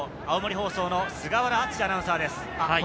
青森放送の菅原厚アナウンサーです。